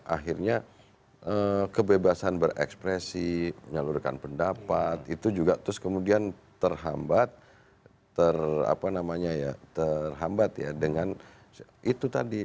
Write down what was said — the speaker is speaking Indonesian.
akhirnya kebebasan berekspresi menyalurkan pendapat itu juga terus kemudian terhambat terhambat ya dengan itu tadi